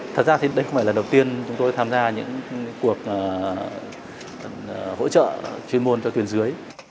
thật ra thì đây không phải là đầu tiên chúng tôi tham gia những cuộc hỗ trợ chuyên môn cho tuyên dưới